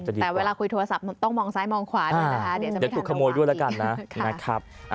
แต่เวลาคุยโทรศัพท์ต้องมองซ้ายมองขวาด้วยนะครับเดี๋ยวจะไม่ทันตรงขวางอีก